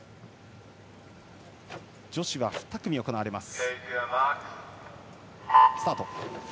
女子は２組行われます。